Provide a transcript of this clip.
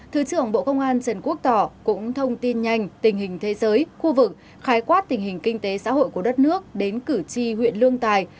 thứ trưởng bộ công an trần quốc tỏ cũng thông tin nhanh tình hình thế giới khu vực khái quát tình hình kinh tế xã hội của đất nước đến cử tri huyện lương tài